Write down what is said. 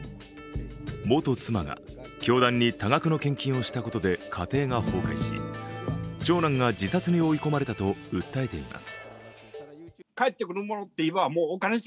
元妻が教団に多額の献金をしたことで家庭が崩壊し、長男が自殺に追い込まれたと訴えています。